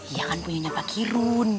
iya kan punya nyawa kirun